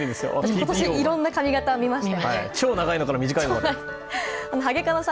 今年、いろんな髪形見ました。